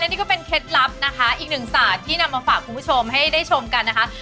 และนี่ก็เป็นเคล็ดลับอีกหนึ่งสัตว์ที่จะทำให้คุณผู้ชมได้ชมกันนะครับ